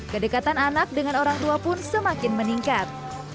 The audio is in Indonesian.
kedekatan anak dengan orang tua pun semakin meningkat